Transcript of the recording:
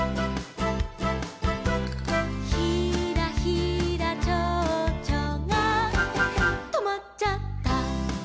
「ひらひらちょうちょがとまっちゃった」